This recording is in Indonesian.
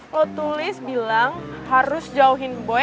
kalau tulis bilang harus jauhin boy